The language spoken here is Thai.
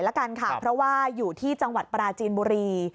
เพราะว่าอยู่ที่จังหวัดปราจีนบุรี